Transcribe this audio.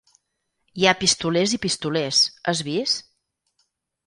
Hi ha pistolers i pistolers, has vist?